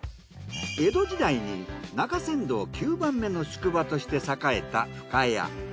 江戸時代に中山道９番目の宿場として栄えた深谷。